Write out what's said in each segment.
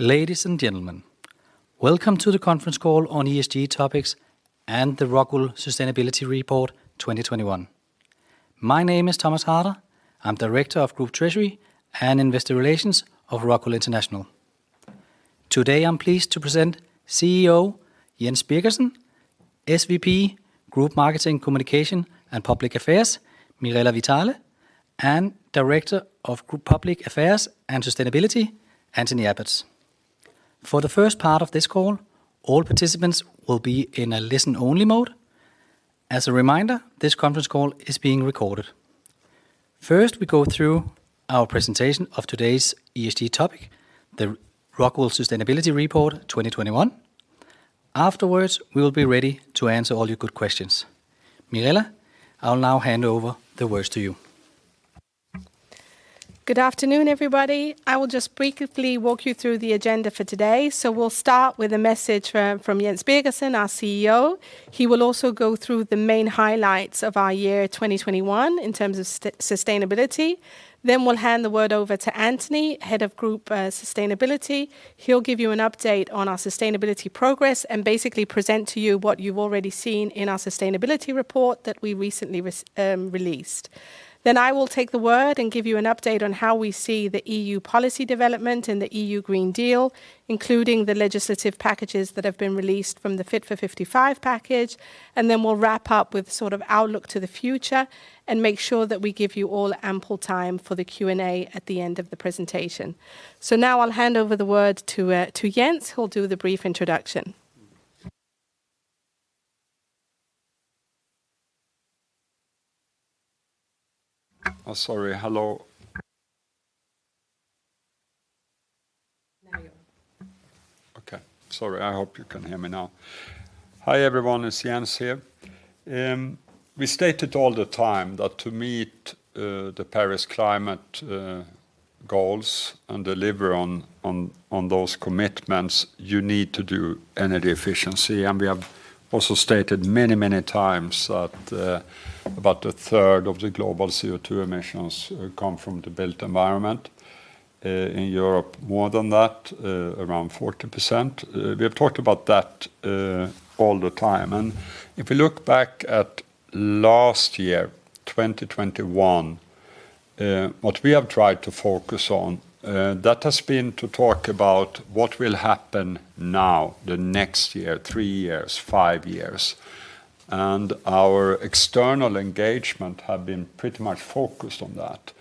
Ladies and gentlemen, welcome to the conference call on ESG topics and the ROCKWOOL Sustainability Report 2021. My name is Thomas Harder. I'm Director of Group Treasury and Investor Relations of ROCKWOOL International. Today, I'm pleased to present CEO Jens Birgersson, SVP Group Marketing, Communication, and Public Affairs, Mirella Vitale, and Director of Group Public Affairs and Sustainability, Anthony Abbotts. For the first part of this call, all participants will be in a listen-only mode. As a reminder, this conference call is being recorded. First, we go through our presentation of today's ESG topic, the ROCKWOOL Sustainability Report 2021. Afterwards, we will be ready to answer all your good questions. Mirella, I'll now hand over the words to you. Good afternoon, everybody. I will just briefly walk you through the agenda for today. We'll start with a message from Jens Birgersson, our CEO. He will also go through the main highlights of our year 2021 in terms of sustainability. We'll hand the word over to Anthony Abbotts, Head of Group Sustainability. He'll give you an update on our sustainability progress and basically present to you what you've already seen in our Sustainability Report that we recently released. I will take the word and give you an update on how we see the EU policy development and the EU Green Deal, including the legislative packages that have been released from the Fit for 55 package. We'll wrap up with sort of outlook to the future and make sure that we give you all ample time for the Q&A at the end of the presentation. Now I'll hand over the word to Jens, who'll do the brief introduction. Oh, sorry. Hello? Okay. Sorry, I hope you can hear me now. Hi, everyone. It's Jens here. We stated all the time that to meet the Paris climate goals and deliver on those commitments, you need to do energy efficiency. We have also stated many, many, many times that about a third of the global CO2 emissions come from the built environment. In Europe, more than that, around 40%. We have talked about that all the time. If you look back at last year, 2021, what we have tried to focus on, that has been to talk about what will happen now, the next year, three years, five years, and our external engagement have been pretty much focused on that.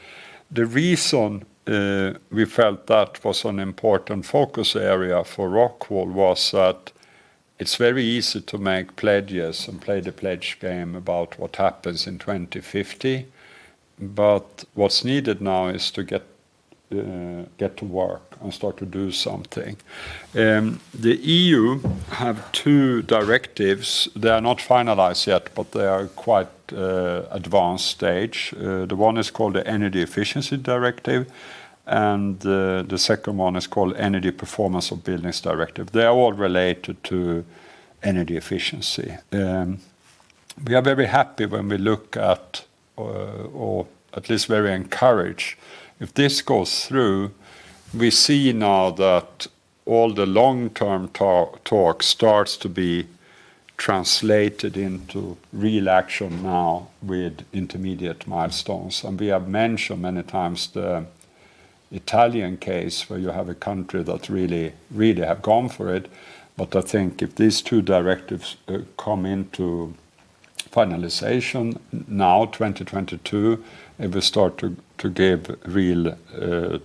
The reason we felt that was an important focus area for ROCKWOOL was that it's very easy to make pledges and play the pledge game about what happens in 2050, but what's needed now is to get to work and start to do something. The EU have two directives. They are not finalized yet, but they are quite advanced stage. The one is called the Energy Efficiency Directive, and the second one is called Energy Performance of Buildings Directive. They are all related to energy efficiency. We are very happy when we look at, or at least very encouraged, if this goes through, we see now that all the long-term talk starts to be translated into real action now with intermediate milestones. We have mentioned many times the Italian case where you have a country that really have gone for it. I think if these two directives come into finalization now, 2022, it will start to give real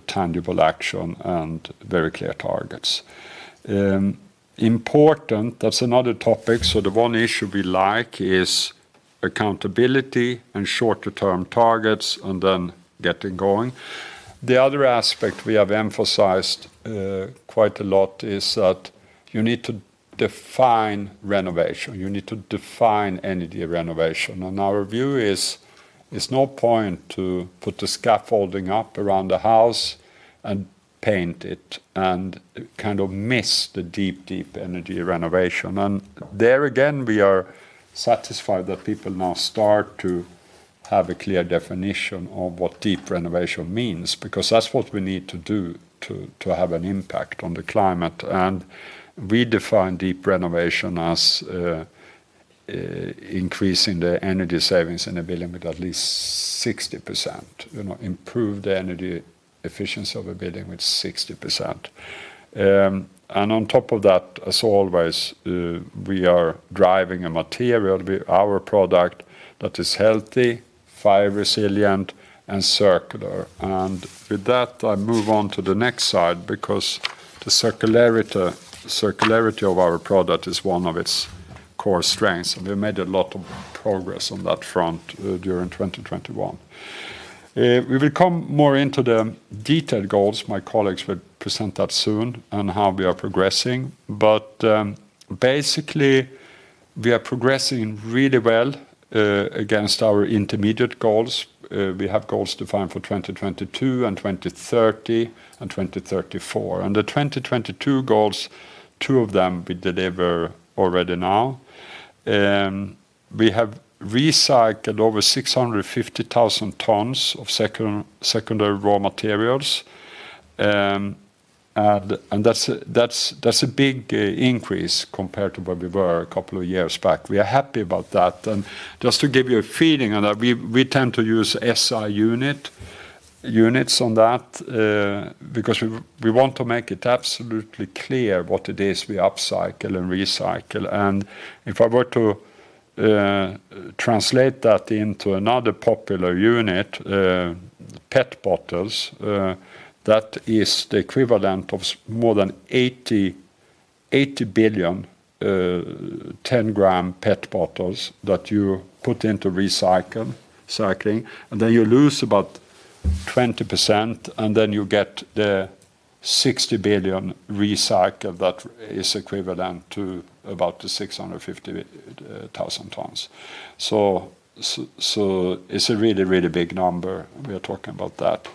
tangible action and very clear targets. Important, that's another topic. The one issue we like is accountability and shorter-term targets and then getting going. The other aspect we have emphasized quite a lot is that you need to define renovation. You need to define energy renovation. Our view is, it's no point to put the scaffolding up around the house and paint it and kind of miss the deep energy renovation. There again, we are satisfied that people now start to have a clear definition of what deep renovation means, because that's what we need to do to have an impact on the climate. We define deep renovation as increasing the energy savings in a building with at least 60%, you know, improve the energy efficiency of a building with 60%. On top of that, as always, we are driving a material, our product that is healthy, fire resilient, and circular. With that, I move on to the next slide because the circularity of our product is one of its core strengths, and we made a lot of progress on that front during 2021. We will come more into the detailed goals. My colleagues will present that soon on how we are progressing. Basically, we are progressing really well against our intermediate goals. We have goals defined for 2022 and 2030 and 2034. The 2022 goals, two of them we deliver already now. We have recycled over 650,000 tonnes of secondary raw materials. And that's a big increase compared to where we were a couple of years back. We are happy about that. Just to give you a feeling on that, we tend to use SI units on that, because we want to make it absolutely clear what it is we upcycle and recycle. If I were to translate that into another popular unit, PET bottles, that is the equivalent of more than 80 billion 10 g PET bottles that you put into recycling, and then you lose about 20%, and then you get the 60 billion recycled that is equivalent to about the 650,000 tonnes. It's a really big number we are talking about that.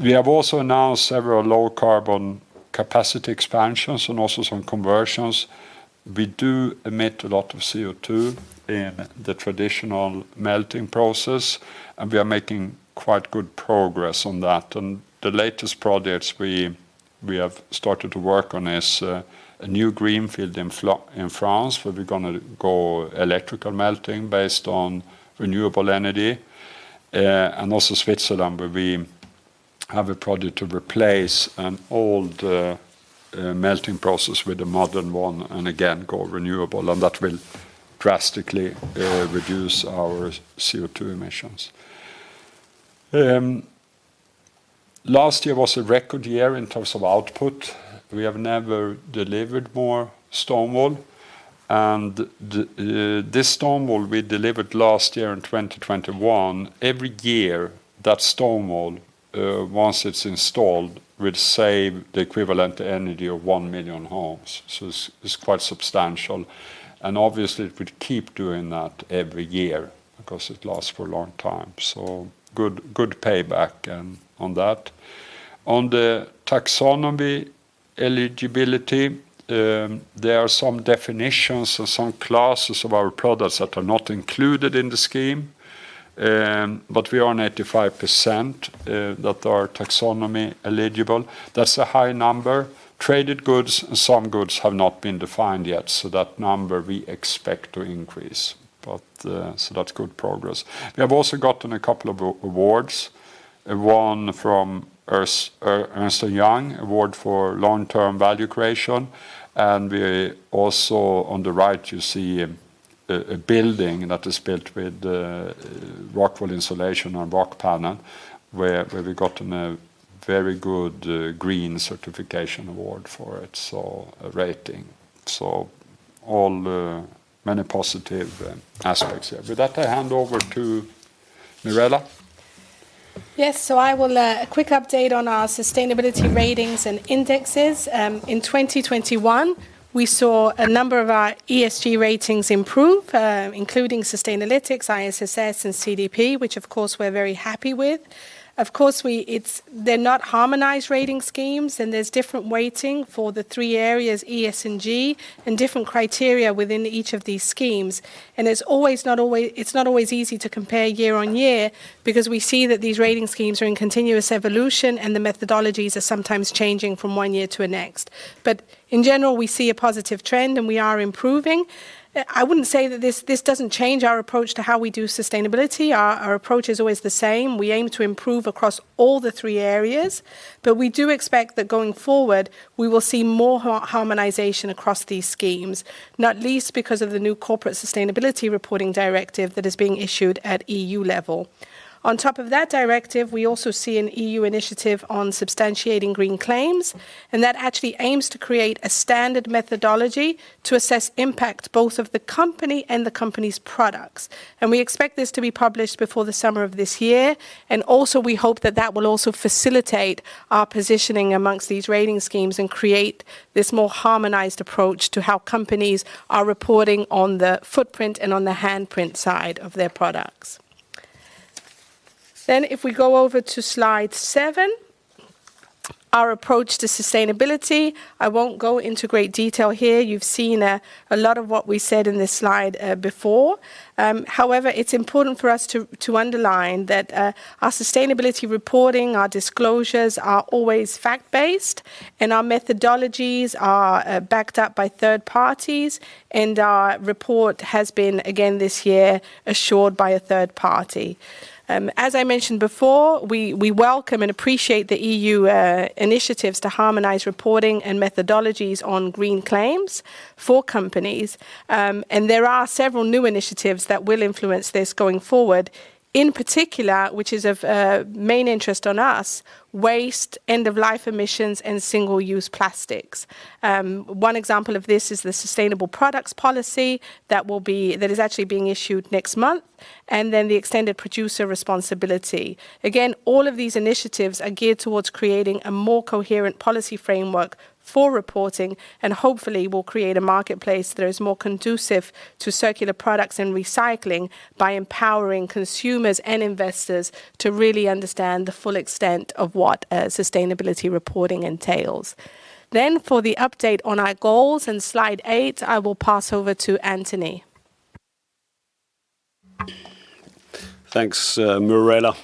We have also announced several low carbon capacity expansions and also some conversions. We do emit a lot of CO2 in the traditional melting process, and we are making quite good progress on that. The latest projects we have started to work on is a new greenfield in France, where we're gonna go electrical melting based on renewable energy. Switzerland, where we have a project to replace an old melting process with a modern one and again, go renewable. That will drastically reduce our CO2 emissions. Last year was a record year in terms of output. We have never delivered more stone wool. This stone wool we delivered last year in 2021, every year that stone wool, once it's installed, will save the equivalent energy of 1 million homes. It's quite substantial. Obviously it would keep doing that every year because it lasts for a long time. Good payback on that. On the taxonomy eligibility, there are some definitions and some classes of our products that are not included in the scheme, but we are 95% that are taxonomy eligible. That's a high number. Traded goods and some goods have not been defined yet, so that number we expect to increase. That's good progress. We have also gotten a couple of awards, one from Ernst & Young, Award for Long-Term Value Creation, and, also, on the right you see a building that is built with ROCKWOOL insulation and Rockpanel where we've gotten a very good green certification award for it, so a rating. All, many positive aspects here. With that, I hand over to Mirella. Yes. I'll give a quick update on our sustainability ratings and indexes. In 2021, we saw a number of our ESG ratings improve, including Sustainalytics, ISS, and CDP, which of course we're very happy with. Of course, they're not harmonized rating schemes, and there's different weighting for the three areas, E, S, and G, and different criteria within each of these schemes. It's not always easy to compare year-on-year because we see that these rating schemes are in continuous evolution, and the methodologies are sometimes changing from one year to the next. In general, we see a positive trend, and we are improving. I wouldn't say that this doesn't change our approach to how we do sustainability. Our approach is always the same. We aim to improve across all the three areas, but we do expect that going forward, we will see more harmonization across these schemes, not least because of the new Corporate Sustainability Reporting Directive that is being issued at EU level. On top of that directive, we also see an EU initiative on substantiating green claims, and that actually aims to create a standard methodology to assess impact both of the company and the company's products. We expect this to be published before the summer of this year. Also, we hope that that will also facilitate our positioning amongst these rating schemes and create this more harmonized approach to how companies are reporting on the footprint and on the handprint side of their products. If we go over to slide seven, our approach to sustainability, I won't go into great detail here. You've seen a lot of what we said in this slide before. However, it's important for us to underline that our sustainability reporting, our disclosures are always fact-based and our methodologies are backed up by third-parties, and our report has been, again this year, assured by a third-party. As I mentioned before, we welcome and appreciate the EU initiatives to harmonize reporting and methodologies on green claims for companies. There are several new initiatives that will influence this going forward. In particular, which is of main interest to us, waste, end-of-life emissions, and single-use plastics. One example of this is the sustainable products policy that is actually being issued next month, and then the extended producer responsibility. Again, all of these initiatives are geared towards creating a more coherent policy framework for reporting and hopefully will create a marketplace that is more conducive to circular products and recycling by empowering consumers and investors to really understand the full extent of what sustainability reporting entails. For the update on our goals in slide eight, I will pass over to Anthony. Thanks, Mirella.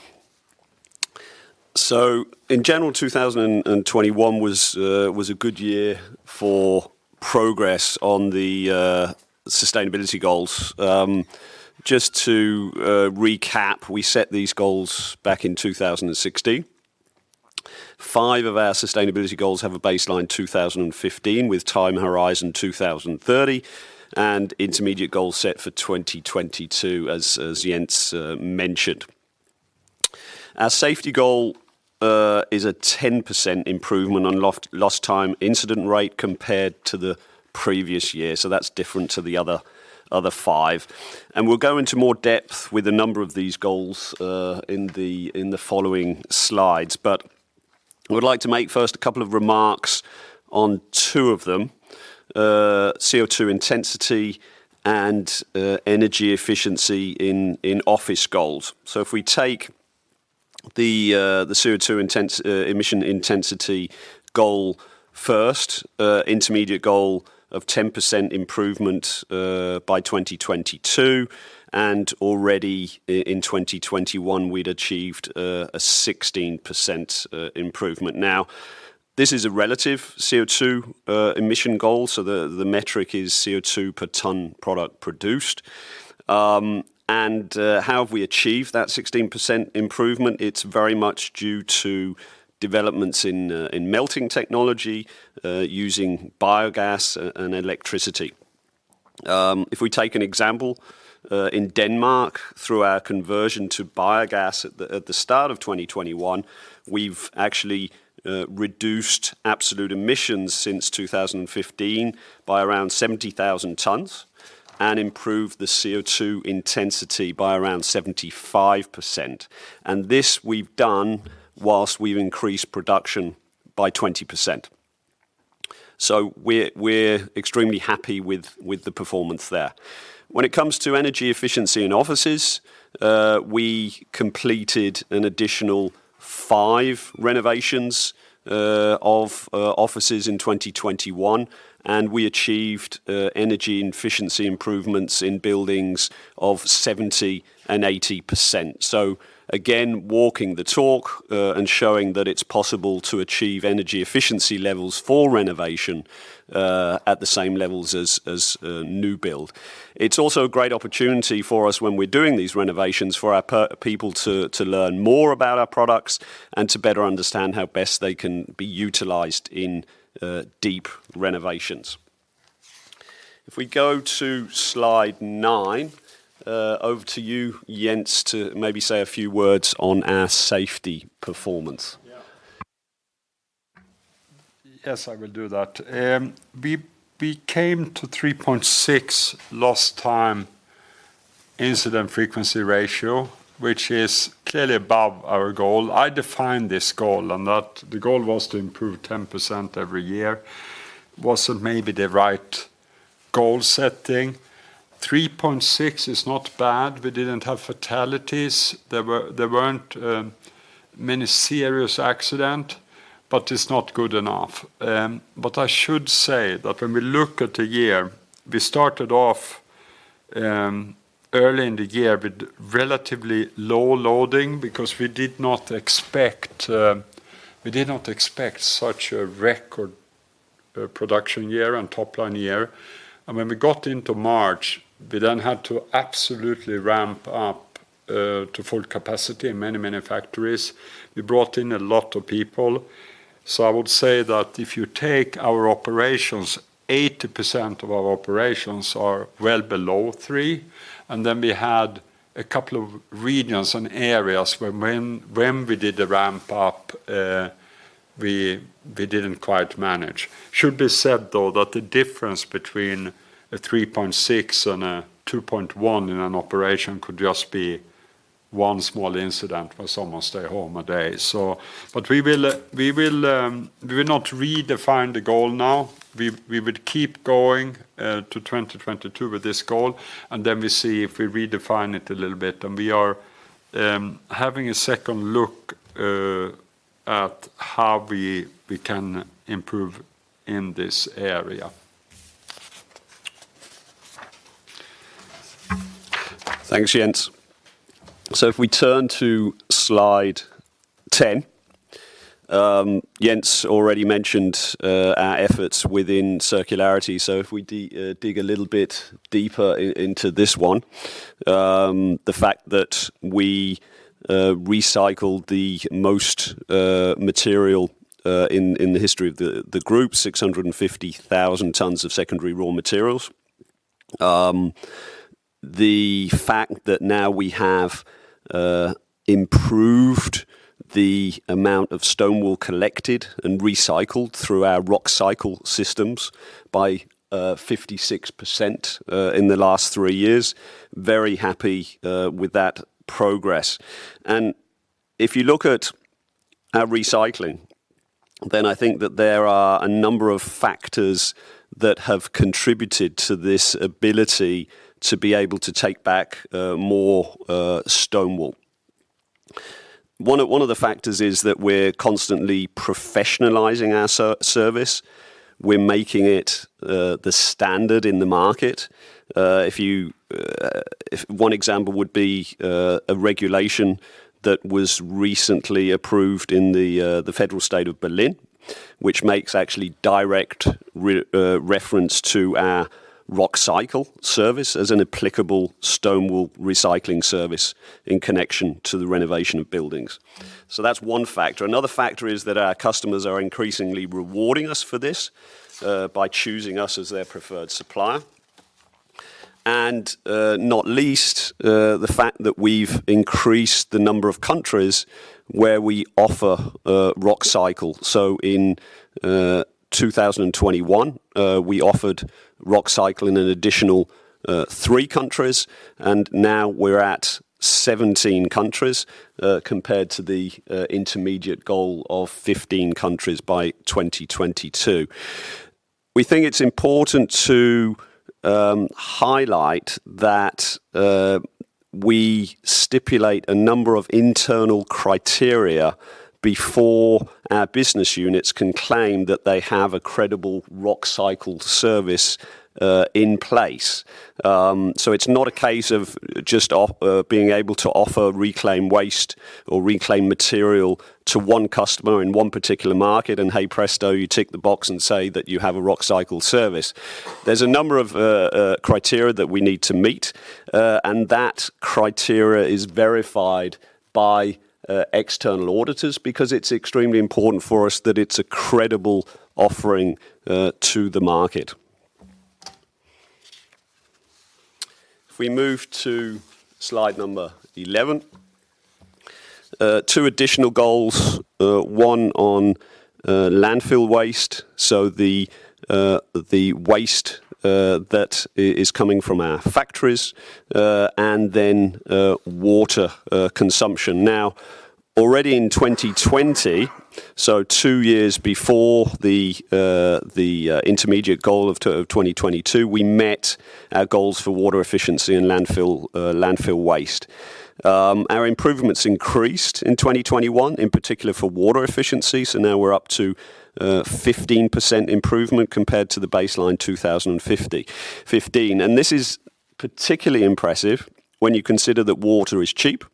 In general, 2021 was a good year for progress on the sustainability goals. Just to recap, we set these goals back in 2016. Five of our sustainability goals have a baseline 2015, with time horizon 2030, and intermediate goal set for 2022 as Jens mentioned. Our safety goal is a 10% improvement on lost time incident rate compared to the previous year, so that's different to the other five. We'll go into more depth with a number of these goals in the following slides. I would like to make first a couple of remarks on two of them, CO2 intensity and energy efficiency in office goals. If we take the CO2 emission intensity goal first, intermediate goal of 10% improvement by 2022, and already in 2021 we'd achieved a 16% improvement. This is a relative CO2 emission goal, so the metric is CO2 per tonne product produced. How have we achieved that 16% improvement? It's very much due to developments in melting technology, using biogas and electricity. If we take an example in Denmark, through our conversion to biogas at the start of 2021, we've actually reduced absolute emissions since 2015 by around 70,000 tonnes and improved the CO2 intensity by around 75%. This we've done whilst we've increased production by 20%. So we're extremely happy with the performance there. When it comes to energy efficiency in offices, we completed an additional five renovations of offices in 2021, and we achieved energy efficiency improvements in buildings of 70% and 80%. Again, walking the talk, and showing that it's possible to achieve energy efficiency levels for renovation at the same levels as new build. It's also a great opportunity for us when we're doing these renovations for our people to learn more about our products and to better understand how best they can be utilized in deep renovations. If we go to slide nine, Over to you, Jens, to maybe say a few words on our safety performance. Yeah. Yes, I will do that. We came to 3.6 lost time incident frequency ratio, which is clearly above our goal. I define this goal on that the goal was to improve 10% every year. Wasn't maybe the right goal setting. 3.6 is not bad. We didn't have fatalities. There weren't many serious accident, but it's not good enough. I should say that when we look at the year, we started off early in the year with relatively low loading because we did not expect such a record production year and top-line year. When we got into March, we then had to absolutely ramp up to full capacity in many, many factories. We brought in a lot of people. I would say that if you take our operations, 80% of our operations are well below 3, and then we had a couple of regions and areas where when we did the ramp up, we didn't quite manage. It should be said, though, that the difference between a 3.6 and a 2.1 in an operation could just be one small incident where someone stay home a day. We will not redefine the goal now. We would keep going to 2022 with this goal, and then we see if we redefine it a little bit. We are having a second look at how we can improve in this area. Thanks, Jens. If we turn to slide 10, Jens already mentioned our efforts within circularity. If we dig a little bit deeper into this one, the fact that we recycled the most material in the history of the group, 650,000 tonnes of secondary raw materials. The fact that now we have improved the amount of stone wool collected and recycled through our Rockcycle systems by 56% in the last three years, very happy with that progress. If you look at our recycling, then I think that there are a number of factors that have contributed to this ability to be able to take back more stone wool. One of the factors is that we're constantly professionalizing our service. We're making it the standard in the market. One example would be a regulation that was recently approved in the federal state of Berlin, which makes actually direct reference to our Rockcycle service as an applicable stone wool recycling service in connection to the renovation of buildings. That's one factor. Another factor is that our customers are increasingly rewarding us for this by choosing us as their preferred supplier. Not least, the fact that we've increased the number of countries where we offer Rockcycle. In 2021, we offered Rockcycle in an additional three countries, and now we're at 17 countries compared to the intermediate goal of 15 countries by 2022. We think it's important to highlight that we stipulate a number of internal criteria before our business units can claim that they have a credible Rockcycle service in place. It's not a case of just being able to offer reclaimed waste or reclaimed material to one customer in one particular market and, hey, presto, you tick the box and say that you have a Rockcycle service. There's a number of criteria that we need to meet, and that criteria is verified by external auditors because it's extremely important for us that it's a credible offering to the market. If we move to slide number 11. Two additional goals, one on landfill waste, so the waste that is coming from our factories, and then water consumption. Now, already in 2020, so two years before the intermediate goal of 2022, we met our goals for water efficiency and landfill waste. Our improvements increased in 2021, in particular for water efficiency, so now we're up to 15% improvement compared to the baseline 2015. This is particularly impressive when you consider that water is cheap,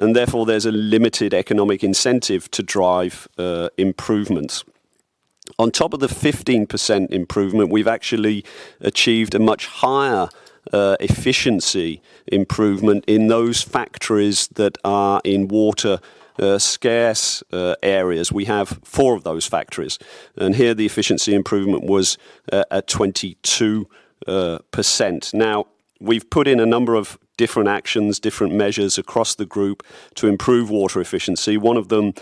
and therefore there's a limited economic incentive to drive improvements. On top of the 15% improvement, we've actually achieved a much higher efficiency improvement in those factories that are in water scarce areas. We have four of those factories, and here the efficiency improvement was 22%. Now, we've put in a number of different actions, different measures across the group to improve water efficiency. One of them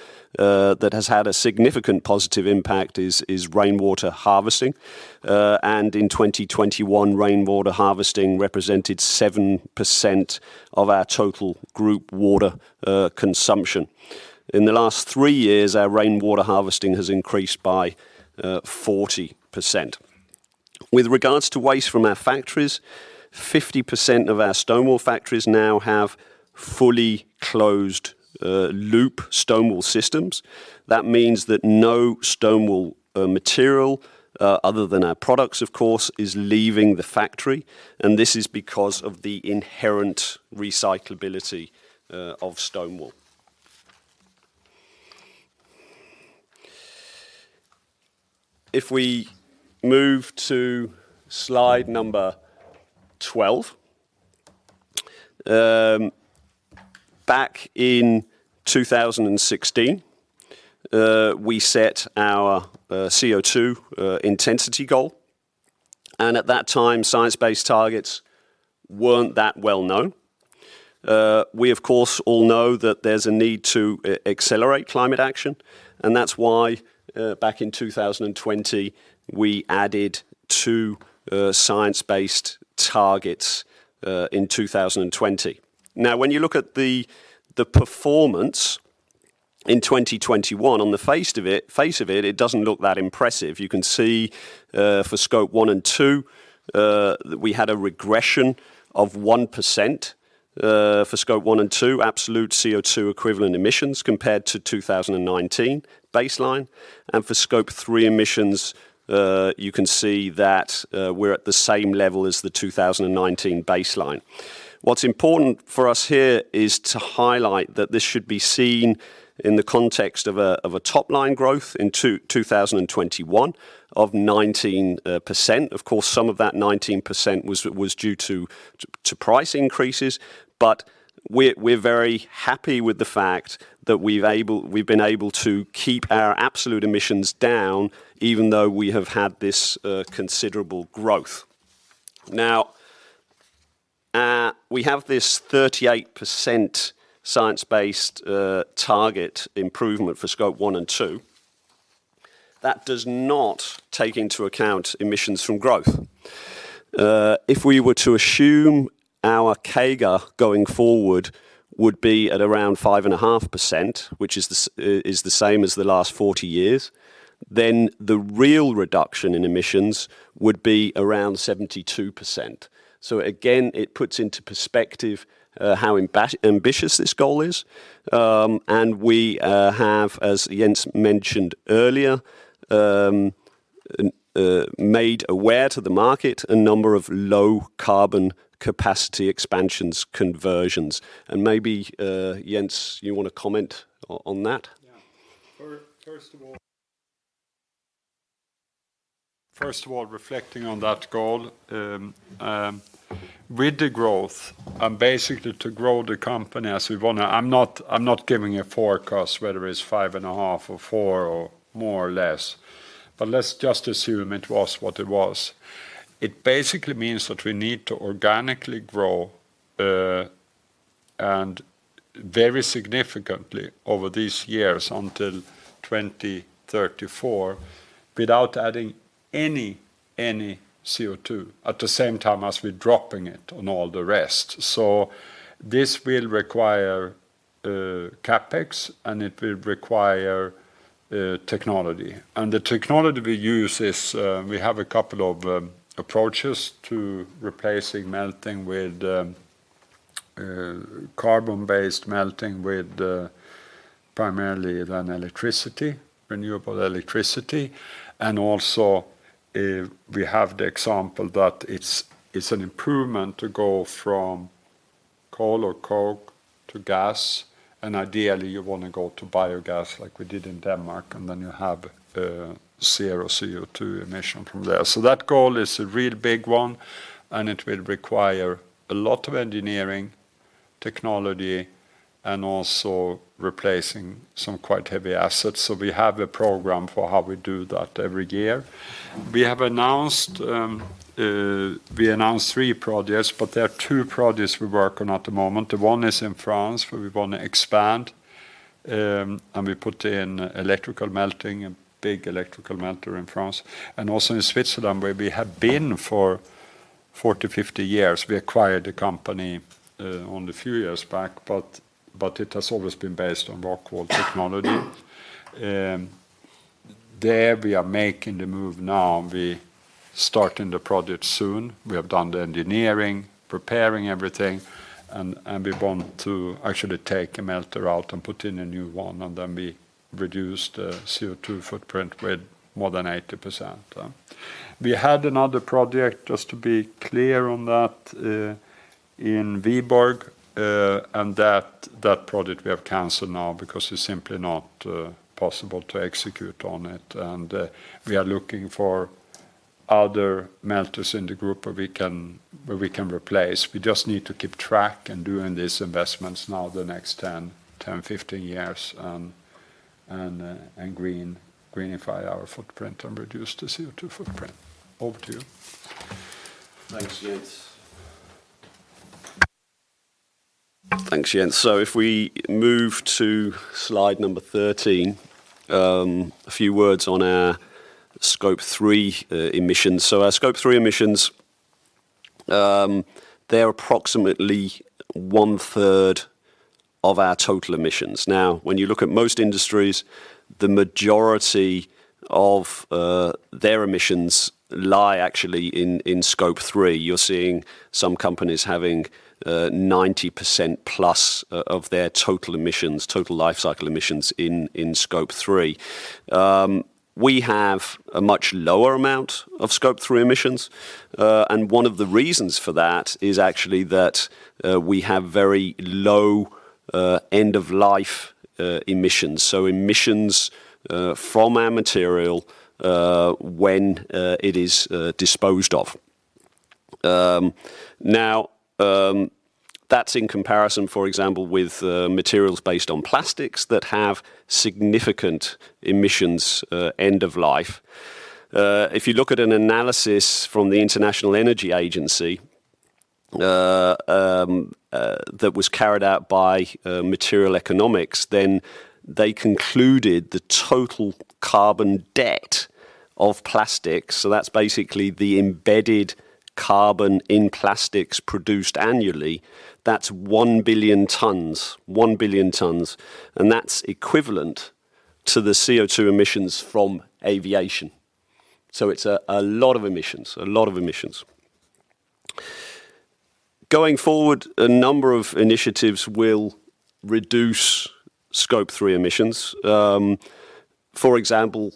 that has had a significant positive impact is rainwater harvesting, and in 2021, rainwater harvesting represented 7% of our total group water consumption. In the last three years, our rainwater harvesting has increased by 40%. With regards to waste from our factories, 50% of our stone wool factories now have fully closed loop stone wool systems. That means that no stone wool material, other than our products, of course, is leaving the factory, and this is because of the inherent recyclability of stone wool. If we move to slide 12. Back in 2016, we set our CO2 intensity goal, and at that time, Science Based Targets weren't that well known. We of course all know that there's a need to accelerate climate action, and that's why back in 2020, we added two Science Based Targets in 2020. Now, when you look at the performance in 2021, on the face of it doesn't look that impressive. You can see for Scope 1 and 2, we had a regression of 1% for Scope 1 and 2 absolute CO2 equivalent emissions compared to 2019 baseline. For Scope 3 emissions, you can see that we're at the same level as the 2019 baseline. What's important for us here is to highlight that this should be seen in the context of a top-line growth in 2021 of 19%. Of course, some of that 19% was due to price increases. We're very happy with the fact that we've been able to keep our absolute emissions down even though we have had this considerable growth. Now, we have this 38% Science Based Target improvement for Scope 1 and 2. That does not take into account emissions from growth. If we were to assume our CAGR going forward would be at around 5.5%, which is the same as the last 40 years, then the real reduction in emissions would be around 72%. Again, it puts into perspective how ambitious this goal is. We have, as Jens mentioned earlier, made aware to the market a number of low carbon capacity expansions, conversions. Maybe, Jens, you wanna comment on that? First of all, reflecting on that goal, with the growth and basically to grow the company as we wanna, I'm not giving a forecast whether it's 5.5 or 4 or more or less, but let's just assume it was what it was. It basically means that we need to organically grow, and very significantly over these years until 2034 without adding any CO2 at the same time as we're dropping it on all the rest. This will require CapEx, and it will require technology. The technology we use is, we have a couple of approaches to replacing melting with carbon-based melting with primarily then electricity, renewable electricity. We have the example that it's an improvement to go from coal or coke to gas, and ideally you wanna go to biogas like we did in Denmark, and then you have zero CO2 emission from there. That goal is a real big one, and it will require a lot of engineering, technology, and also replacing some quite heavy assets. We have a program for how we do that every year. We have announced three projects, but there are two projects we work on at the moment. One is in France, where we wanna expand, and we put in electrical melting and big electrical melter in France. In Switzerland, where we have been for 40, 50 years. We acquired the company only a few years back, but it has always been based on ROCKWOOL technology. There we are making the move now. We starting the project soon. We have done the engineering, preparing everything, and we want to actually take a melter out and put in a new one, and then we reduce the CO2 footprint with more than 80%. We had another project, just to be clear on that, in Vyborg, and that project we have canceled now because it's simply not possible to execute on it. We are looking for other melters in the group where we can replace. We just need to keep track in doing these investments now the next 10 to 15 years and greenify our footprint and reduce the CO2 footprint. Over to you. Thanks, Jens. If we move to slide number 13, a few words on our Scope 3 emissions. Our Scope 3 emissions, they're approximately 1/3 of our total emissions. When you look at most industries, the majority of their emissions lie actually in Scope 3. You're seeing some companies having 90%+ of their total emissions, total lifecycle emissions in Scope 3. We have a much lower amount of Scope 3 emissions. One of the reasons for that is actually that we have very low end of life emissions. Emissions from our material when it is disposed of. That's in comparison, for example, with materials based on plastics that have significant emissions end of life. If you look at an analysis from the International Energy Agency that was carried out by Material Economics, then they concluded the total carbon debt of plastics, so that's basically the embedded carbon in plastics produced annually, that's 1 billion tonnes. 1 billion tonnes, and that's equivalent to the CO2 emissions from aviation. So it's a lot of emissions. Going forward, a number of initiatives will reduce Scope 3 emissions. For example,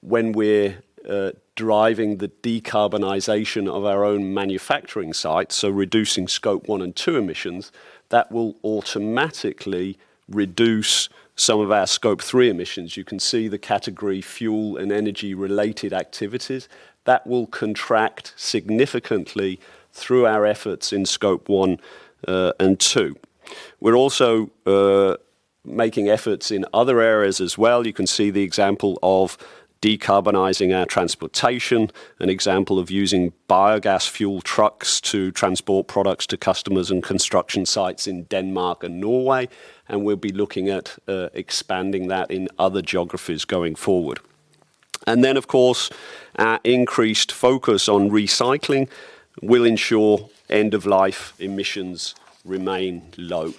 when we're driving the decarbonization of our own manufacturing site, so reducing Scope 1 and 2 emissions, that will automatically reduce some of our Scope 3 emissions. You can see the category fuel and energy related activities. That will contract significantly through our efforts in Scope 1 and 2. We're also making efforts in other areas as well. You can see the example of decarbonizing our transportation, an example of using biogas fuel trucks to transport products to customers and construction sites in Denmark and Norway, and we'll be looking at expanding that in other geographies going forward. Of course, our increased focus on recycling will ensure end of life emissions remain low.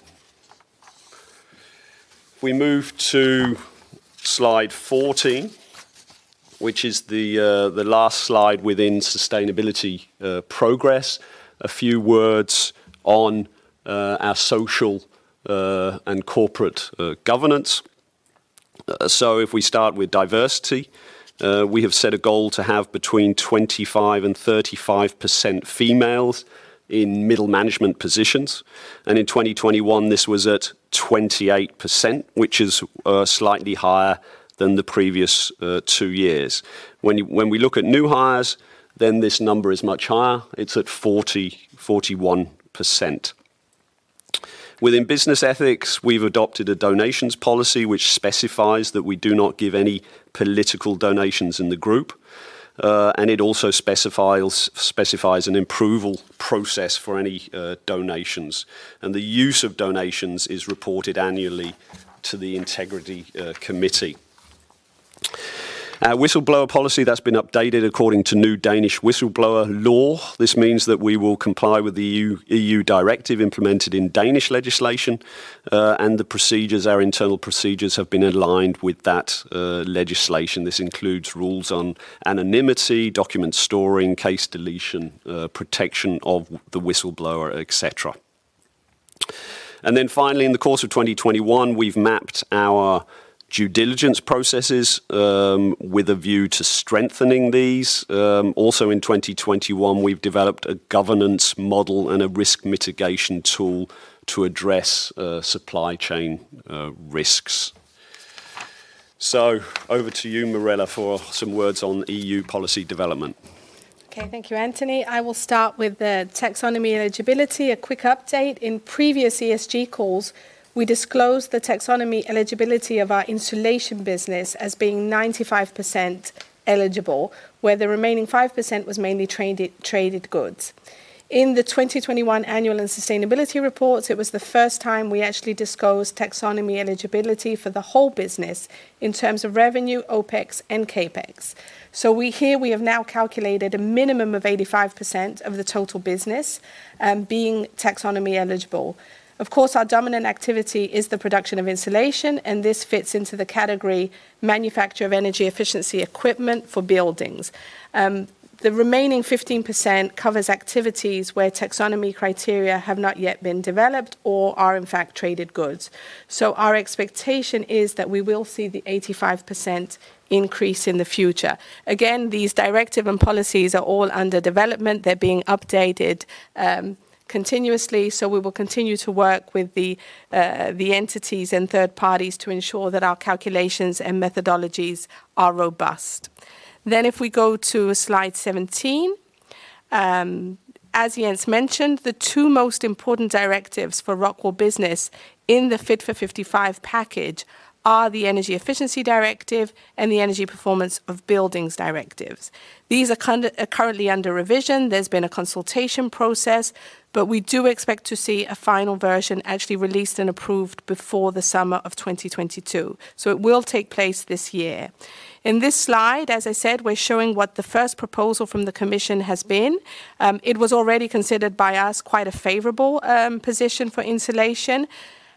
We move to slide 14, which is the last slide within sustainability progress. A few words on our social and corporate governance. If we start with diversity, we have set a goal to have between 25%-35% females in middle management positions, and in 2021 this was at 28%, which is slightly higher than the previous two years. When we look at new hires, this number is much higher. It's at 40%, 41%. Within business ethics, we've adopted a donations policy which specifies that we do not give any political donations in the group. It also specifies an approval process for any donations. The use of donations is reported annually to the Integrity Committee. Our whistleblower policy has been updated according to new Danish whistleblower law. This means that we will comply with the EU directive implemented in Danish legislation, and our internal procedures have been aligned with that legislation. This includes rules on anonymity, document storing, case deletion, protection of the whistleblower, et cetera. And finally, in the course of 2021, we've mapped our due diligence processes with a view to strengthening these. Also in 2021, we've developed a governance model and a risk mitigation tool to address supply chain risks. Over to you, Mirella, for some words on EU policy development. Okay, thank you, Anthony. I will start with the Taxonomy eligibility. A quick update. In previous ESG calls, we disclosed the Taxonomy eligibility of our insulation business as being 95% eligible, where the remaining 5% was mainly traded goods. In the 2021 Annual and Sustainability Reports, it was the first time we actually disclosed Taxonomy eligibility for the whole business in terms of revenue, OpEx, and CapEx. We have now calculated a minimum of 85% of the total business being Taxonomy eligible. Of course, our dominant activity is the production of insulation, and this fits into the category manufacture of energy efficiency equipment for buildings. The remaining 15% covers activities where Taxonomy criteria have not yet been developed or are in fact traded goods. Our expectation is that we will see the 85% increase in the future. Again, these directives and policies are all under development. They're being updated continuously, so we will continue to work with the entities and third-parties to ensure that our calculations and methodologies are robust. If we go to slide 17, as Jens mentioned, the two most important directives for ROCKWOOL business in the Fit for 55 package are the Energy Efficiency Directive and the Energy Performance of Buildings Directives. These are currently under revision. There's been a consultation process, but we do expect to see a final version actually released and approved before the summer of 2022. It will take place this year. In this slide, as I said, we're showing what the first proposal from the commission has been. It was already considered by us quite a favorable position for insulation.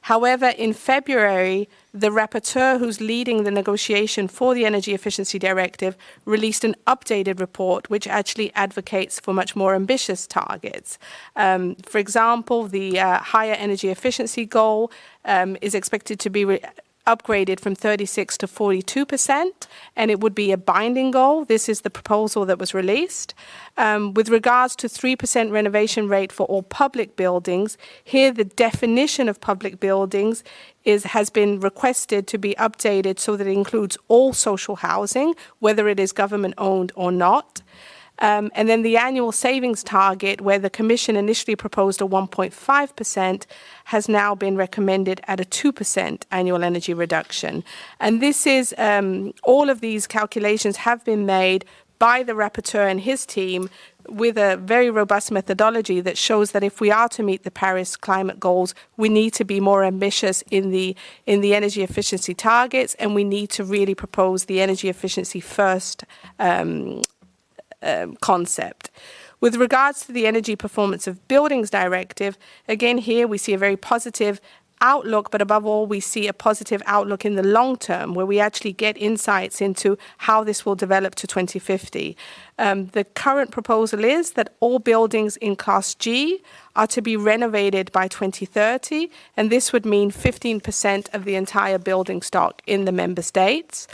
However, in February, the rapporteur who's leading the negotiation for the Energy Efficiency Directive released an updated report which actually advocates for much more ambitious targets. For example, the higher energy efficiency goal is expected to be upgraded from 36%-42%, and it would be a binding goal. This is the proposal that was released. With regards to 3% renovation rate for all public buildings, here the definition of public buildings has been requested to be updated so that it includes all social housing, whether it is government-owned or not. The annual savings target, where the Commission initially proposed a 1.5%, has now been recommended at a 2% annual energy reduction. This is all of these calculations have been made by the rapporteur and his team with a very robust methodology that shows that if we are to meet the Paris climate goals, we need to be more ambitious in the energy efficiency targets, and we need to really propose the energy efficiency first concept. With regards to the Energy Performance of Buildings Directive, again, here we see a very positive outlook, but above all, we see a positive outlook in the long term, where we actually get insights into how this will develop to 2050. The current proposal is that all buildings in Class G are to be renovated by 2030, and this would mean 15% of the entire building stock in the member states.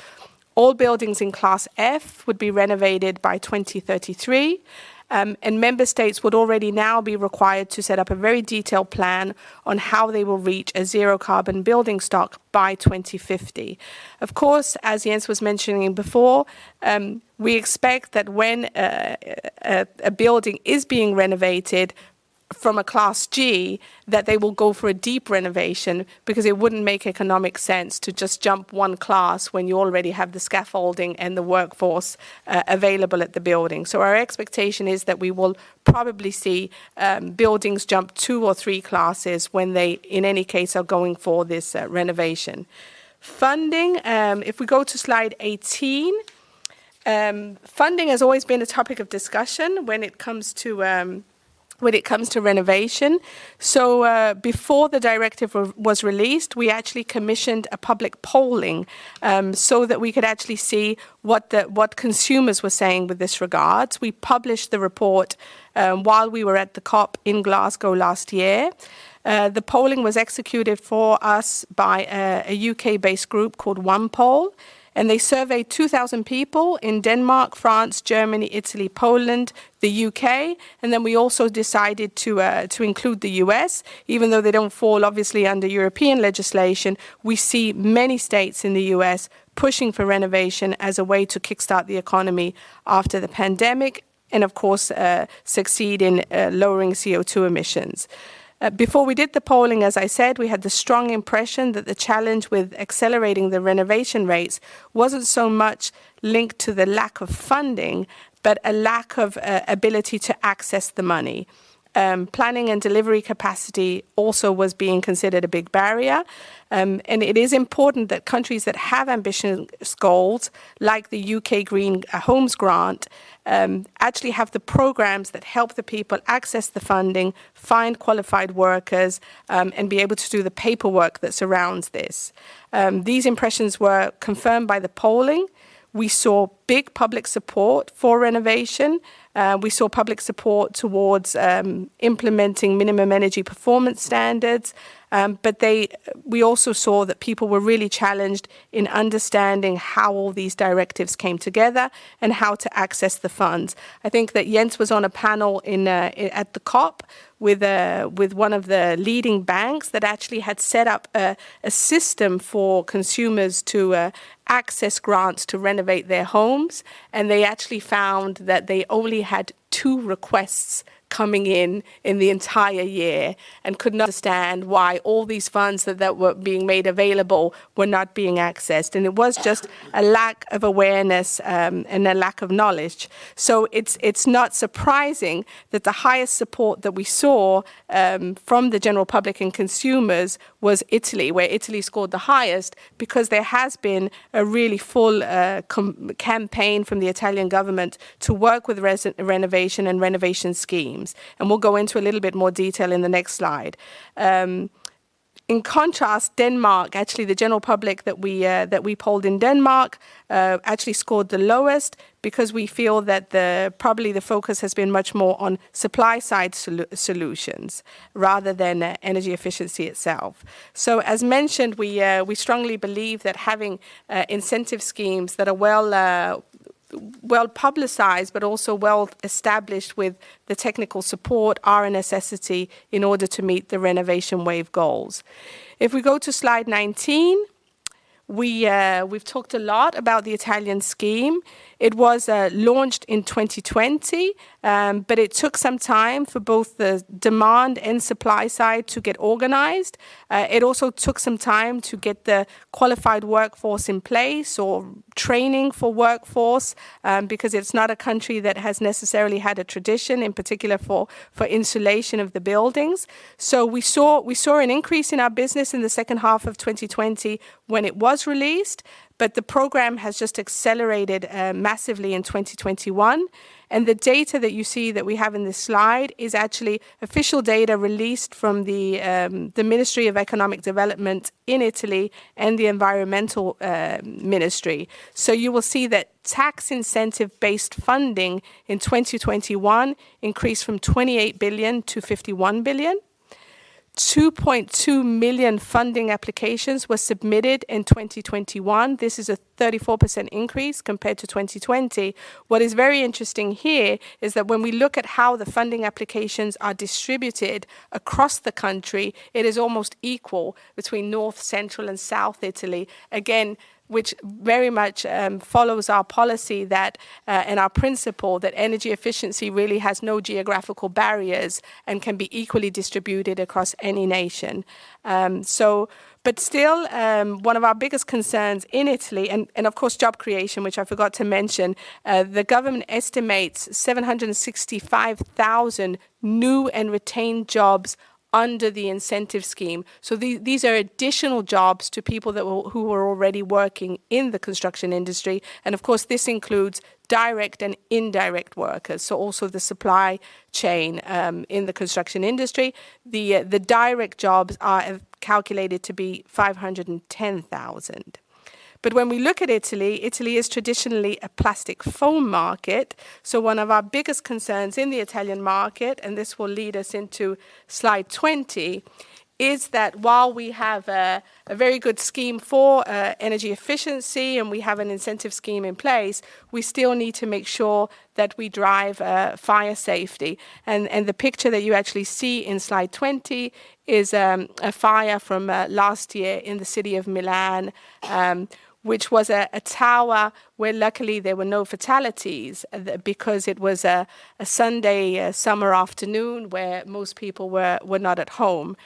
All buildings in Class F would be renovated by 2033, and member states would already now be required to set up a very detailed plan on how they will reach a zero carbon building stock by 2050. Of course, as Jens was mentioning before, we expect that when a building is being renovated from a Class G, that they will go for a deep renovation because it wouldn't make economic sense to just jump one class when you already have the scaffolding and the workforce available at the building. Our expectation is that we will probably see buildings jump two or three classes when they, in any case, are going for this renovation. Funding, if we go to slide 18, funding has always been a topic of discussion when it comes to renovation. Before the directive was released, we actually commissioned a public polling so that we could actually see what consumers were saying with regard to this. We published the report while we were at the COP in Glasgow last year. The polling was executed for us by a U.K.-based group called OnePoll, and they surveyed 2,000 people in Denmark, France, Germany, Italy, Poland, the U.K., and then we also decided to include the U.S. Even though they don't obviously fall under European legislation, we see many states in the U.S. pushing for renovation as a way to kickstart the economy after the pandemic and of course succeed in lowering CO2 emissions. Before we did the polling, as I said, we had the strong impression that the challenge with accelerating the renovation rates wasn't so much linked to the lack of funding, but a lack of ability to access the money. Planning and delivery capacity also was being considered a big barrier. It is important that countries that have ambitious goals, like the U.K. Green Homes Grant, actually have the programs that help the people access the funding, find qualified workers, and be able to do the paperwork that surrounds this. These impressions were confirmed by the polling. We saw big public support for renovation. We saw public support towards implementing minimum energy performance standards. We also saw that people were really challenged in understanding how all these directives came together and how to access the funds. I think that Jens was on a panel in at the COP with one of the leading banks that actually had set up a system for consumers to access grants to renovate their homes. They actually found that they only had two requests coming in in the entire year and could not understand why all these funds that were being made available were not being accessed. It was just a lack of awareness and a lack of knowledge. It's not surprising that the highest support that we saw from the general public and consumers was Italy, where Italy scored the highest because there has been a really full campaign from the Italian government to work with renovation schemes. We'll go into a little bit more detail in the next slide. In contrast, Denmark, actually, the general public that we polled in Denmark actually scored the lowest because we feel that probably the focus has been much more on supply side solutions rather than energy efficiency itself. As mentioned, we strongly believe that having incentive schemes that are well-publicized but also well-established with the technical support are a necessity in order to meet the Renovation Wave goals. If we go to slide 19, we've talked a lot about the Italian scheme. It was launched in 2020, but it took some time for both the demand and supply side to get organized. It also took some time to get the qualified workforce in place or training for workforce, because it's not a country that has necessarily had a tradition in particular for insulation of the buildings. We saw an increase in our business in the second half of 2020 when it was released, but the program has just accelerated massively in 2021. The data that you see that we have in this slide is actually official data released from the Ministry of Economic Development in Italy and the Environmental Ministry. You will see that tax incentive-based funding in 2021 increased from 28 billion to 51 billion. 2.2 million funding applications were submitted in 2021. This is a 34% increase compared to 2020. What is very interesting here is that when we look at how the funding applications are distributed across the country, it is almost equal between North, Central, and South Italy, again, which very much follows our policy that and our principle that energy efficiency really has no geographical barriers and can be equally distributed across any nation. But still, one of our biggest concerns in Italy and of course job creation, which I forgot to mention, the government estimates 765,000 new and retained jobs under the incentive scheme. These are additional jobs to people who were already working in the construction industry. Of course, this includes direct and indirect workers, so also the supply chain in the construction industry. The direct jobs are calculated to be 510,000. When we look at Italy, it is traditionally a plastic foam market. One of our biggest concerns in the Italian market, and this will lead us into slide 20, is that while we have a very good scheme for energy efficiency and we have an incentive scheme in place, we still need to make sure that we drive fire safety. The picture that you actually see in slide 20 is a fire from last year in the city of Milan, which was a tower where luckily there were no fatalities because it was a Sunday summer afternoon where most people were not at home.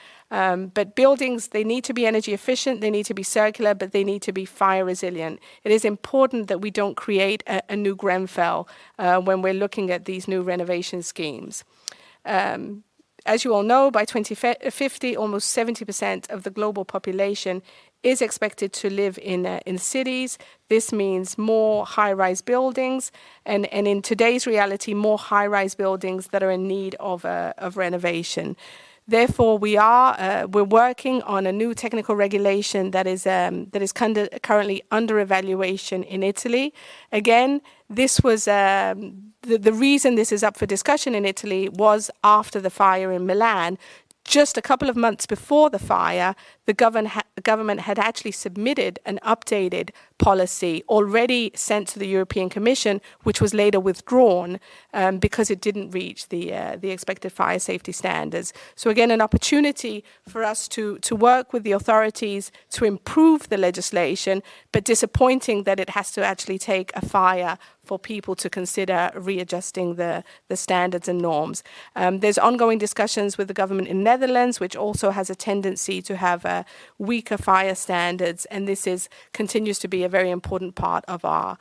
Buildings, they need to be energy efficient, they need to be circular, but they need to be fire resilient. It is important that we don't create a new Grenfell when we're looking at these new renovation schemes. As you all know, by 2050 almost 70% of the global population is expected to live in cities. This means more high-rise buildings and in today's reality, more high-rise buildings that are in need of renovation. Therefore, we're working on a new technical regulation that is currently under evaluation in Italy. Again, the reason this is up for discussion in Italy was after the fire in Milan. Just a couple of months before the fire, the government had actually submitted an updated policy already sent to the European Commission, which was later withdrawn because it didn't reach the expected fire safety standards. Again, an opportunity for us to work with the authorities to improve the legislation, but disappointing that it has to actually take a fire for people to consider readjusting the standards and norms. There's ongoing discussions with the government in the Netherlands, which also has a tendency to have weaker fire standards, and this continues to be a very important part of our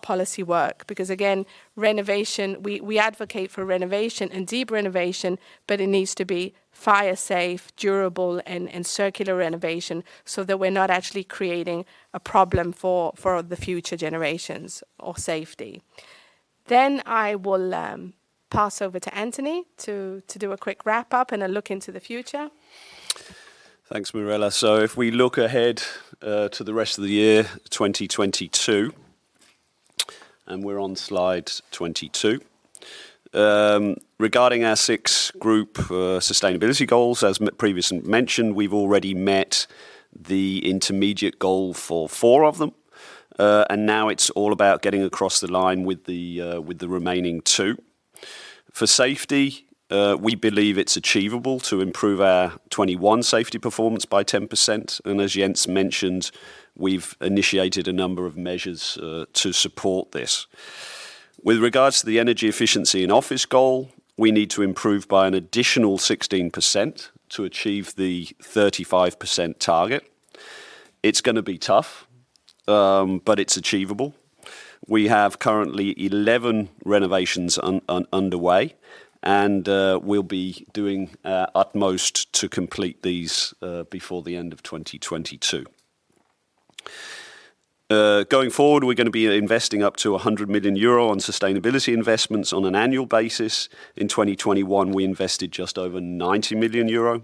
policy work. Because, again, renovation, we advocate for renovation and deeper renovation, but it needs to be fire safe, durable and circular renovation so that we're not actually creating a problem for the future generations or safety. I will pass over to Anthony to do a quick wrap-up and a look into the future. Thanks, Mirella. If we look ahead to the rest of the year, 2022, and we're on slide 22. Regarding our six Group sustainability goals, as previously mentioned, we've already met the intermediate goal for four of them. Now it's all about getting across the line with the remaining two. For safety, we believe it's achievable to improve our 2021 safety performance by 10%. As Jens mentioned, we've initiated a number of measures to support this. With regards to the energy efficiency and CO2 goal, we need to improve by an additional 16% to achieve the 35% target. It's gonna be tough, but it's achievable. We have currently 11 renovations underway, and we'll be doing our utmost to complete these before the end of 2022. Going forward, we're gonna be investing up to 100 million euro on sustainability investments on an annual basis. In 2021, we invested just over 90 million euro.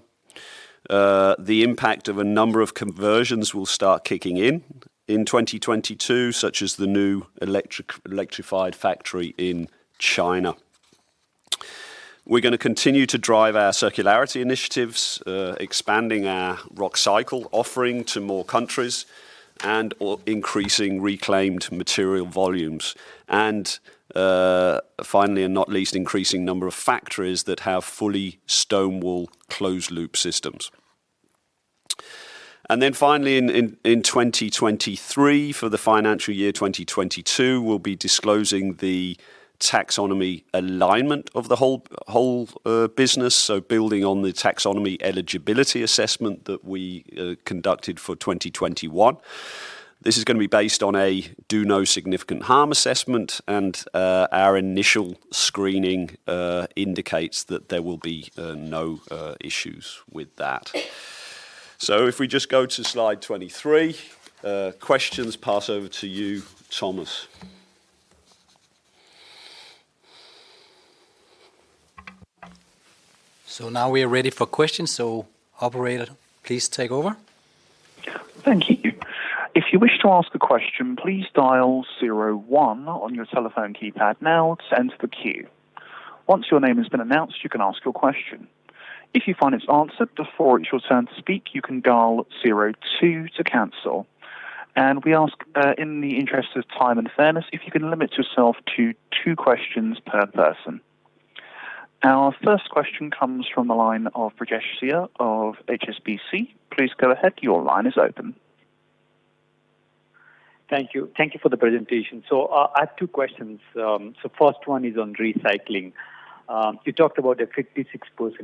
The impact of a number of conversions will start kicking in in 2022, such as the new electrified factory in China. We're gonna continue to drive our circularity initiatives, expanding our Rockcycle offering to more countries and or increasing reclaimed material volumes. Finally, and not least, increasing number of factories that have fully stone wool closed loop systems. Finally, in 2023, for the financial year 2022, we'll be disclosing the taxonomy alignment of the whole business, so building on the taxonomy eligibility assessment that we conducted for 2021. This is gonna be based on a "Do No Significant Harm" assessment, and our initial screening indicates that there will be no issues with that. If we just go to slide 23. Questions pass over to you, Thomas. Now we are ready for questions. Operator, please take over. Thank you. If you wish to ask a question, please dial zero one on your telephone keypad now to enter the queue. Once your name has been announced, you can ask your question. If you find it's answered before it's your turn to speak, you can dial zero two to cancel. We ask, in the interest of time and fairness, if you can limit yourself to two questions per person. Our first question comes from the line of Brijesh Siya of HSBC. Please go ahead, your line is open. Thank you. Thank you for the presentation. I have two questions. First one is on recycling. You talked about a 56%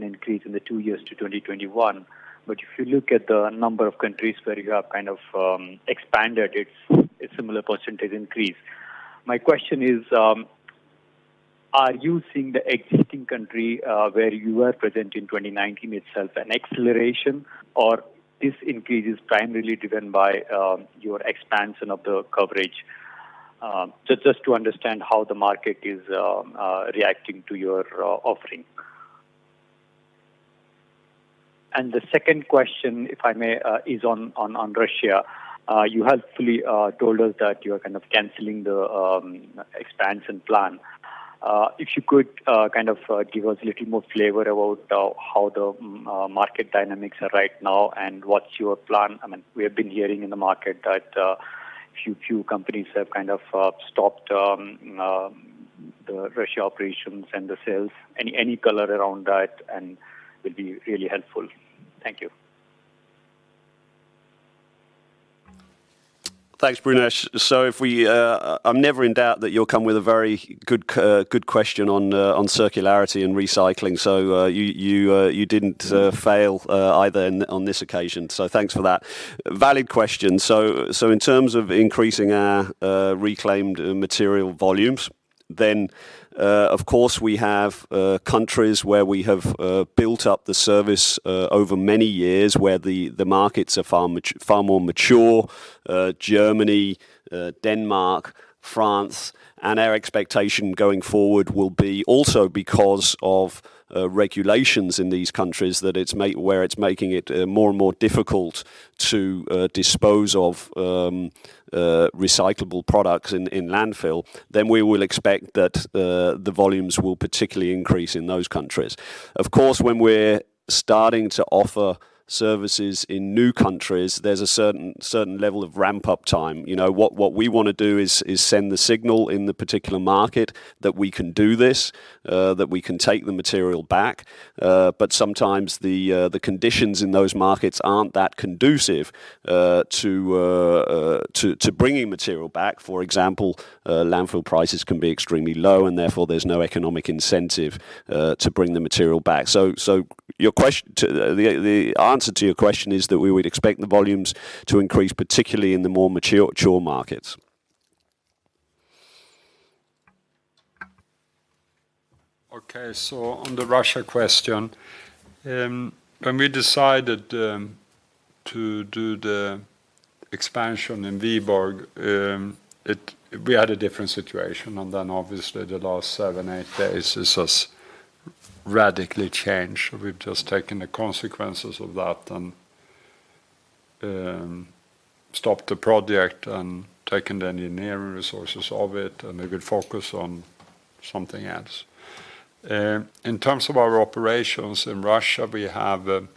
increase in the two years to 2021. If you look at the number of countries where you have kind of expanded, it's a similar percentage increase. My question is, are you seeing the existing country where you were present in 2019 itself an acceleration or this increase is primarily driven by your expansion of the coverage? Just to understand how the market is reacting to your offering. The second question, if I may, is on Russia. You helpfully told us that you're kind of canceling the expansion plan. If you could give us a little more flavor about how the market dynamics are right now and what's your plan. I mean, we have been hearing in the market that few companies have kind of stopped the Russia operations and the sales. Any color around that, and that will be really helpful. Thank you. Thanks, Brijesh. I'm never in doubt that you'll come with a very good question on circularity and recycling. You didn't fail either on this occasion. Thanks for that. Valid question. In terms of increasing our reclaimed material volumes. Then, of course, we have countries where we have built up the service over many years where the markets are far more mature, Germany, Denmark, France. Our expectation going forward will be also because of regulations in these countries where it's making it more and more difficult to dispose of recyclable products in landfill, then we will expect that the volumes will particularly increase in those countries. Of course, when we're starting to offer services in new countries, there's a certain level of ramp-up time. You know what we wanna do is send the signal in the particular market that we can do this, that we can take the material back. But sometimes the conditions in those markets aren't that conducive to bringing material back. For example, landfill prices can be extremely low, and therefore there's no economic incentive to bring the material back. So the answer to your question is that we would expect the volumes to increase, particularly in the more mature markets. On the Russia question, when we decided to do the expansion in Vyborg, we had a different situation. Then obviously the last seven, eight days has just radically changed. We've just taken the consequences of that and stopped the project and taken the engineering resources of it, and they could focus on something else. In terms of our operations in Russia, we have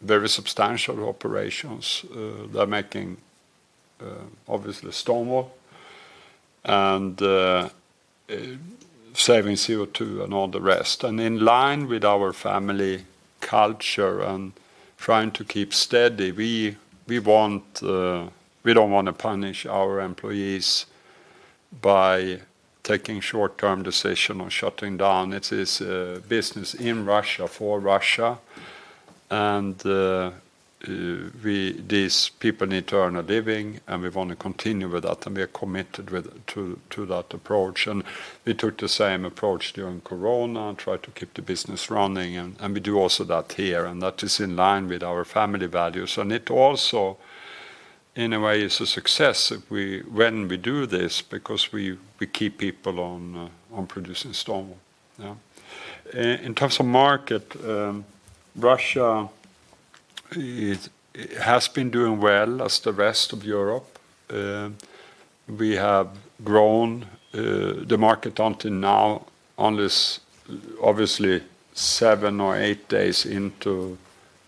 very substantial operations that are making obviously stone wool and saving CO2 and all the rest. In line with our family culture and trying to keep steady, we don't wanna punish our employees by taking short-term decision on shutting down. It is a business in Russia for Russia. These people need to earn a living, and we wanna continue with that, and we are committed to that approach. We took the same approach during Corona and tried to keep the business running and we do also that here, and that is in line with our family values. It also, in a way, is a success when we do this because we keep people on producing stone wool. In terms of market, Russia has been doing well as the rest of Europe. We have grown the market until now on this obviously seven or eight days into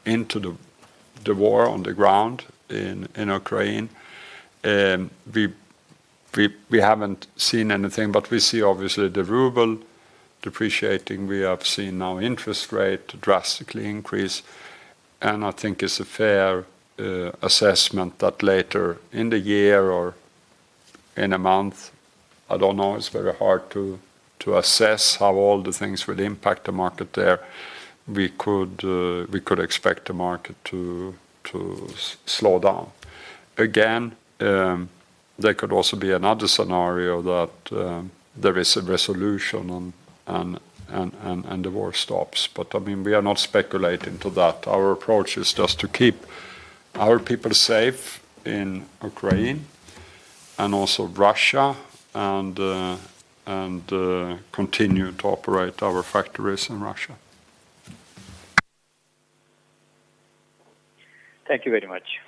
the war on the ground in Ukraine. We haven't seen anything, but we see obviously the ruble depreciating. We have seen now interest rate drastically increase, and I think it's a fair assessment that later in the year or in a month, I don't know, it's very hard to assess how all the things will impact the market there. We could expect the market to slow down. Again, there could also be another scenario that there is a resolution and the war stops. I mean, we are not speculating to that. Our approach is just to keep our people safe in Ukraine and also Russia and continue to operate our factories in Russia. Thank you very much.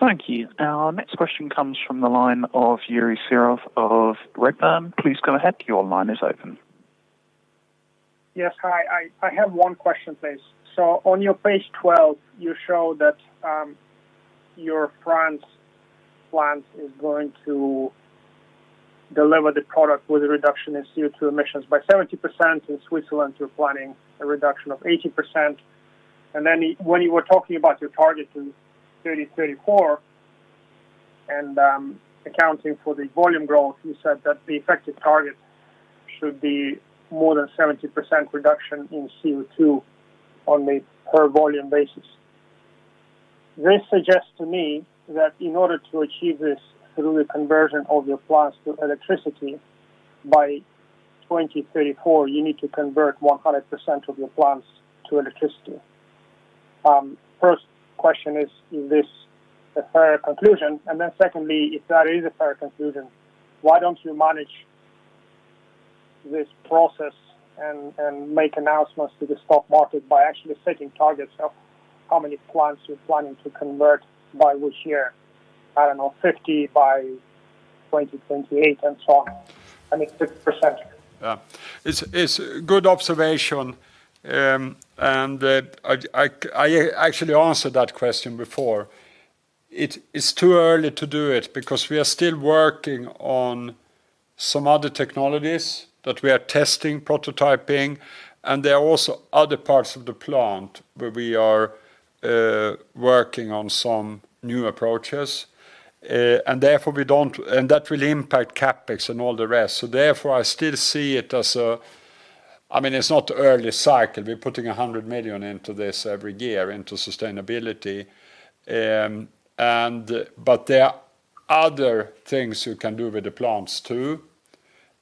Thank you. Our next question comes from the line of Yuri Serov of Redburn. Please go ahead. Your line is open. Yes. Hi. I have one question, please. On your page 12, you show that your France plant is going to deliver the product with a reduction in CO2 emissions by 70%. In Switzerland, you are planning a reduction of 80%. Then when you were talking about your target in 2034 and accounting for the volume growth, you said that the effective target should be more than 70% reduction in CO2 on a per volume basis. This suggests to me that in order to achieve this through the conversion of your plants to electricity, by 2034, you need to convert 100% of your plants to electricity. First question is this a fair conclusion? Secondly, if that is a fair conclusion, why don't you manage this process and make announcements to the stock market by actually setting targets of how many plants you're planning to convert by which year? I don't know, 50% by 2028 and so on. I mean, 50%. It's good observation. I actually answered that question before. It is too early to do it because we are still working on some other technologies that we are testing, prototyping, and there are also other parts of the plant where we are working on some new approaches. That will impact CapEx and all the rest. Therefore, I still see it as a—I mean, it's not early cycle. We're putting 100 million into this every year into sustainability. But there are other things you can do with the plants too,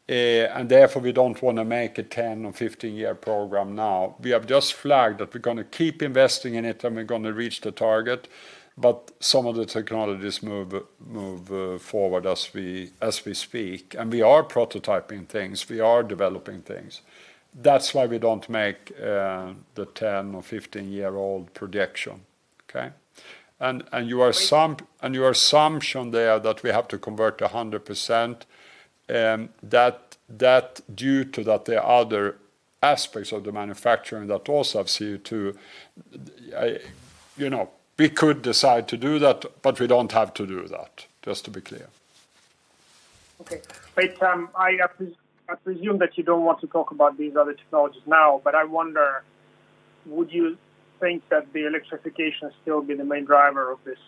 and therefore, we don't wanna make a 10- or 15-year program now. We have just flagged that we're gonna keep investing in it, and we're gonna reach the target. But some of the technologies move forward as we speak. We are prototyping things, we are developing things. That's why we don't make the 10- or 15-year-old projection. Okay? Your assumption there that we have to convert 100%, that due to that there are other aspects of the manufacturing that also have CO2. You know, we could decide to do that, but we don't have to do that, just to be clear. Okay. I presume that you don't want to talk about these other technologies now, but I wonder, would you think that the electrification has still been the main driver of this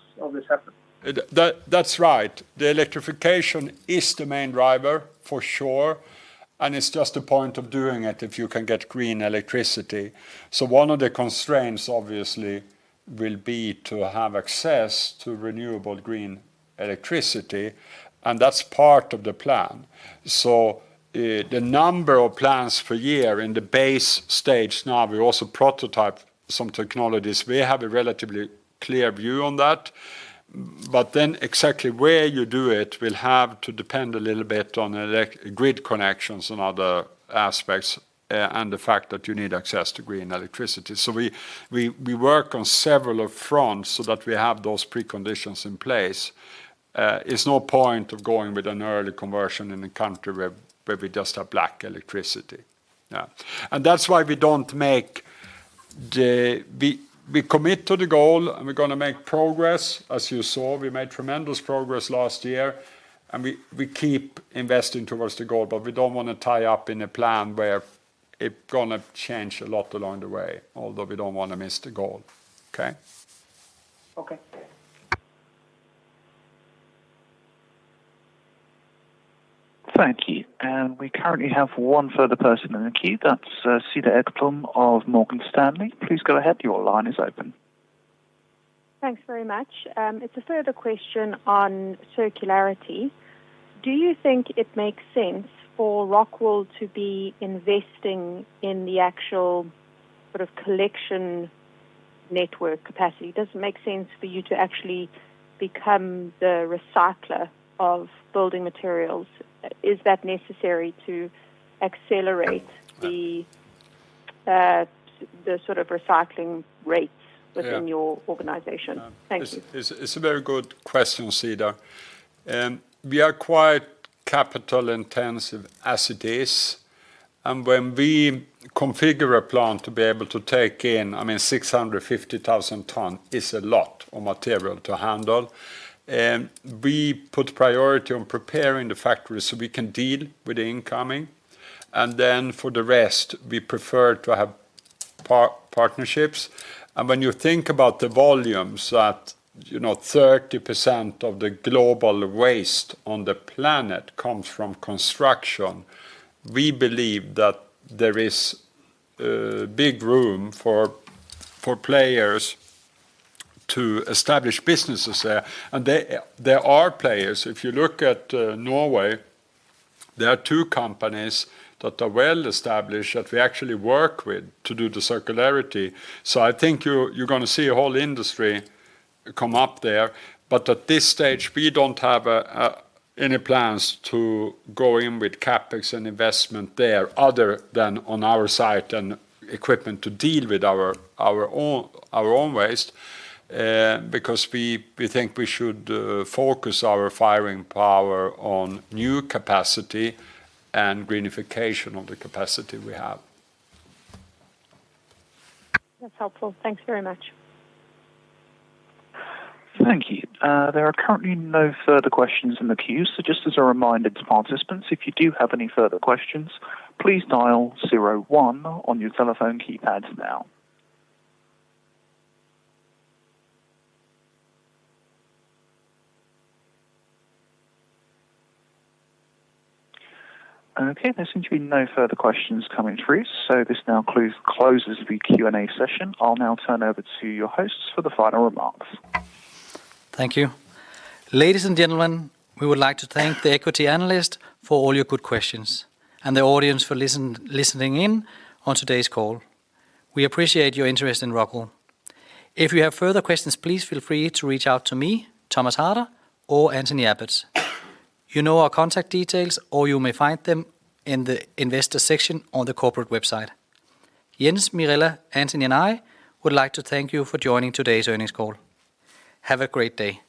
effort? That's right. The electrification is the main driver, for sure, and it's just a point of doing it if you can get green electricity. One of the constraints obviously will be to have access to renewable green electricity, and that's part of the plan. The number of plants per year in the base stage, we also prototype some technologies. We have a relatively clear view on that. Then exactly where you do it will have to depend a little bit on grid connections and other aspects, and the fact that you need access to green electricity. We work on several fronts so that we have those preconditions in place. There's no point in going with an early conversion in a country where we just have black electricity. Yeah. That's why we don't make the—we commit to the goal, and we're gonna make progress. As you saw, we made tremendous progress last year, and we keep investing towards the goal, but we don't wanna tie up in a plan where it gonna change a lot along the way, although we don't wanna miss the goal. Okay? Okay. Thank you. We currently have one further person in the queue. That's Cedar Ekblom of Morgan Stanley. Please go ahead, your line is open. Thanks very much. It's a further question on circularity. Do you think it makes sense for ROCKWOOL to be investing in the actual sort of collection network capacity? Does it make sense for you to actually become the recycler of building materials? Is that necessary to accelerate the sort of recycling rates— Yeah. —within your organization? Thank you. It's a very good question, Cedar. We are quite capital intensive as it is. When we configure a plant to be able to take in, I mean, 650,000 tonnes is a lot of material to handle. We put priority on preparing the factories so we can deal with the incoming. Then for the rest, we prefer to have partnerships. When you think about the volumes that, you know, 30% of the global waste on the planet comes from construction, we believe that there is big room for players to establish businesses there. There are players. If you look at Norway, there are two companies that are well-established that we actually work with to do the circularity. So I think you're gonna see a whole industry come up there. At this stage, we don't have any plans to go in with CapEx and investment there other than on our side and equipment to deal with our own waste, because we think we should focus our firing power on new capacity and greenification of the capacity we have. That's helpful. Thanks very much. Thank you. There are currently no further questions in the queue. Just as a reminder to participants, if you do have any further questions, please dial zero one on your telephone keypads now. Okay, there seem to be no further questions coming through, so this now closes the Q&A session. I'll now turn over to your hosts for the final remarks. Thank you. Ladies and gentlemen, we would like to thank the Equity Analysts for all your good questions and the audience for listening in on today's call. We appreciate your interest in ROCKWOOL. If you have further questions, please feel free to reach out to me, Thomas Harder, or Anthony Abbotts. You know our contact details, or you may find them in the investor section on the corporate website. Jens, Mirella, Anthony, and I would like to thank you for joining today's earnings call. Have a great day.